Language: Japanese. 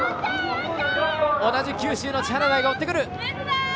同じ九州の千原台が追ってくる。